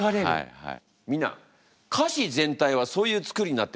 はい。